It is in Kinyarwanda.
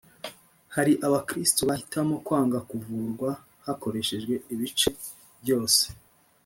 Hari Abakristo bahitamo kwanga kuvurwa hakoreshejwe ibice byose